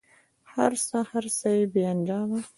هر څه، هر څه بې انجامه